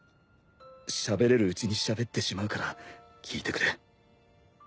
しゃべれるうちにしゃべってしまうから聞いてくれ。